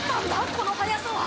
この速さは。